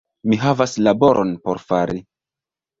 Mi havas laboron por fari